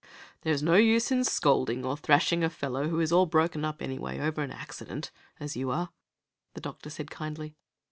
"There's no use in scolding or thrashing a fellow who is all broken up, anyway, over an accident, as you are," the doctor said, kindly.